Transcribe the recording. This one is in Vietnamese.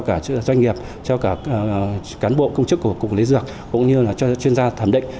cả doanh nghiệp cho cả cán bộ công chức của cục lý dược cũng như là cho chuyên gia thẩm định